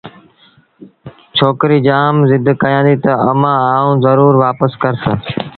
ڇوڪري جآم زد ڪيآݩدي تا امآݩ آئوݩ زرور وآپآر ڪرس